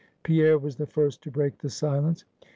Pierre was the first to break the silence.